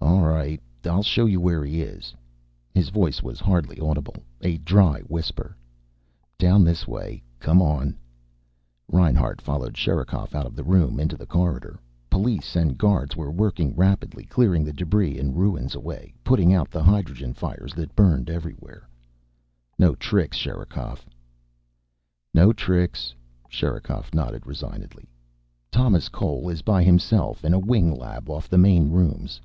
"All right. I'll show you where he is." His voice was hardly audible, a dry whisper. "Down this way. Come on." Reinhart followed Sherikov out of the room, into the corridor. Police and guards were working rapidly, clearing the debris and ruins away, putting out the hydrogen fires that burned everywhere. "No tricks, Sherikov." "No tricks." Sherikov nodded resignedly. "Thomas Cole is by himself. In a wing lab off the main rooms."